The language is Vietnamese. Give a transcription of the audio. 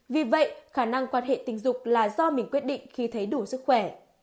vì vậy khả năng quan hệ tình dục là do mình quyết định khi thấy đủ sức khỏe